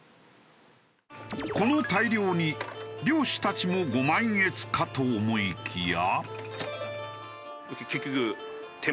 この大漁に漁師たちもご満悦かと思いきや。